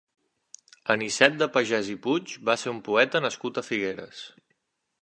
Anicet de Pagès i de Puig va ser un poeta nascut a Figueres.